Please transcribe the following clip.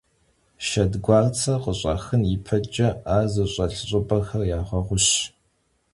Şşedguartse khış'axın yipeç'e ar zış'elh ş'ıp'exer yağeğuş.